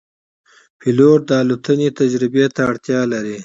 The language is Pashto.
پیلوټ د الوتنې تجربې ته اړتیا لري.